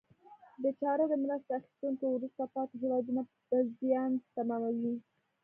دا چاره د مرسته اخیستونکو وروسته پاتې هېوادونو په زیان تمامیږي.